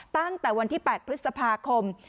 ตั้งแต่วันที่๘พฤษภาคม